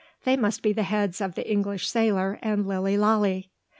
They must be the heads of the English sailor and Lilly Lalee.